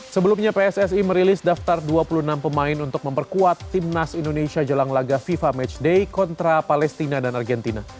sebelumnya pssi merilis daftar dua puluh enam pemain untuk memperkuat timnas indonesia jelang laga fifa matchday kontra palestina dan argentina